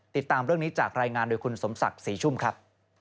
ติดตามเรื่องนี้จากรายงานโดยคุณสมศักดิ์ศรีชุ่มครับ